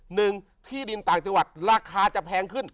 หนึ่งที่ดินต่างจังหวัดราคาจะแพงขึ้น